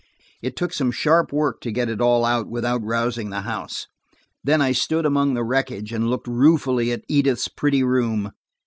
It took some sharp work to get it all out without rousing the house. Then I stood amid the wreckage and looked ruefully at Edith's pretty room.